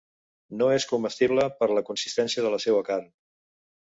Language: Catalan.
No és comestible per la consistència de la seua carn.